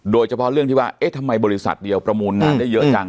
โดยเฉพาะเรื่องที่ว่าเอ๊ะทำไมบริษัทเดียวประมูลงานได้เยอะจัง